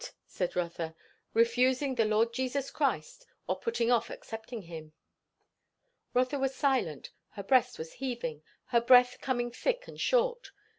said Rotha. "Refusing the Lord Jesus Christ, or putting off accepting him." Rotha was silent. Her breast was heaving, her breath coming thick and short.